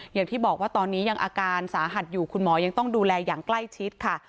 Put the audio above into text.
อย่างที่บอกว่าตอนนี้ยังอาการสาหัสอยู่คุณหมอยังต้องดูแลอย่างใกล้ชิดค่ะ